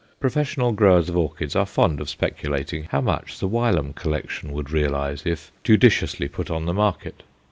Professional growers of orchids are fond of speculating how much the Wylam collection would realize if judiciously put on the market.